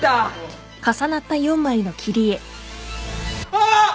あっ！